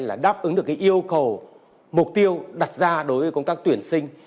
là đáp ứng được cái yêu cầu mục tiêu đặt ra đối với công tác tuyển sinh